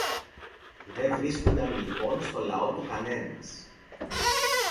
Δε βρίσκουνταν λοιπόν στο λαό του κανένας